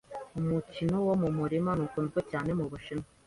Umukino wo mu murima ntukunzwe cyane mu Bushinwa.